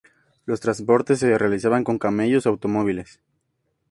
Los transportes se realizaban con camellos o automóviles.